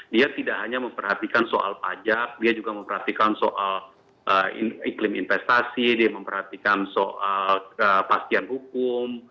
dia tidak hanya memperhatikan soal pajak dia juga memperhatikan soal iklim investasi dia memperhatikan soal kepastian hukum